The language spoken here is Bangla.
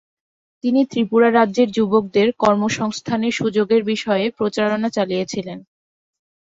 তিনি ত্রিপুরা রাজ্যের যুবকদের কর্মসংস্থানের সুযোগের বিষয়ে প্রচারণা চালিয়ে ছিলেন।